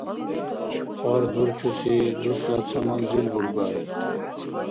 Кьар дурчуси дусла ца манзил бургар?